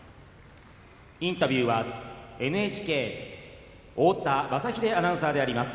インタビューはＮＨＫ太田雅英アナウンサーであります。